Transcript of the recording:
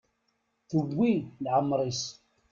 Tewwi leɛmer-is.